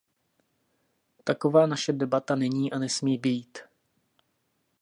Taková naše debata není a nesmí být.